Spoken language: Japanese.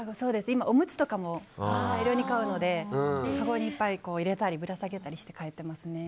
今、おむつとかも大量に買うのでかごにいっぱい入れたりぶらさげたりして帰ってますね。